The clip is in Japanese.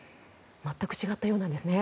全く違ったようなんですね。